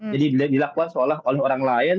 jadi dilakukan seolah oleh orang lain